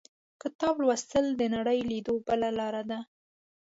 • کتاب لوستل، د نړۍ لیدو بله لاره ده.